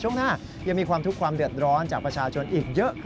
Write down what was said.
ช่วงหน้ายังมีความทุกข์ความเดือดร้อนจากประชาชนอีกเยอะ